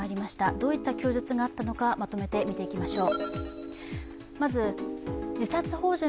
どういった供述があったのかまとめて見ていきましょう。